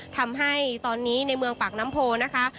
ทำให้ตอนนี้ในเมืองปากน้ำโพนะคะ